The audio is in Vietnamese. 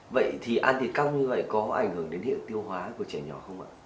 vậy thì ăn thịt cóc như vậy có ảnh hưởng đến hiện tiêu hóa của trẻ nhỏ không ạ